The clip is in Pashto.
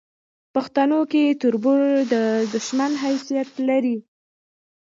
پښتنو کې تربور د دوشمن حیثت لري